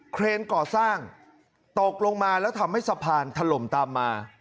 เครนก่อสร้างตกลงมาแล้วทำให้สะพานถล่มตามมา